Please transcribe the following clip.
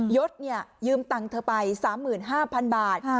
ยศยืมตังค์เธอไปสามหมื่นห้าพันบาทค่ะ